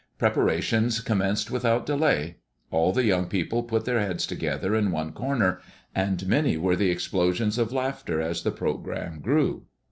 Preparations commenced without delay. All the young people put their heads together in one corner, and many were the explosions of laughter as the programme grew.